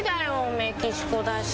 メキシコだし。